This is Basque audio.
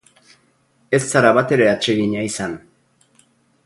Ez zara batere atsegina izan.